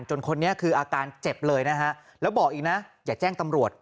คนนี้คืออาการเจ็บเลยนะฮะแล้วบอกอีกนะอย่าแจ้งตำรวจ